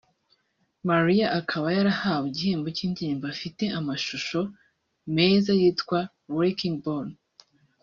Miley akaba yarahawe igihembo cy’Indirimbo ifite amashusho meza yitwa “Wrecking Ball”